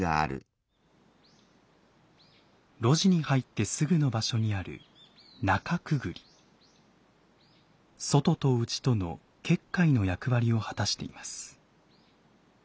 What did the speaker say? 露地に入ってすぐの場所にある外と内との結界の役割を果たしています。